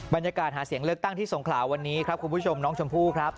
บรรยากาศหาเสียงเลือกตั้งที่สงขลาวันนี้ครับคุณผู้ชมน้องชมพู่ครับ